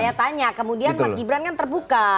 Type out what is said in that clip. saya tanya kemudian mas gibran kan terbuka